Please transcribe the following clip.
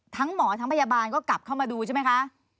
หมอทั้งพยาบาลก็กลับเข้ามาดูใช่ไหมคะ